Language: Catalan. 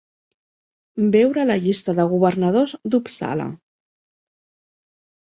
Veure la llista de governadors d'Uppsala.